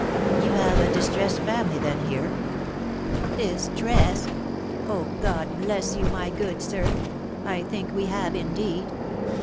"You have a distressed family, then, here?" "Distressed! Oh, God bless you, my good sir, I think we have, indeed.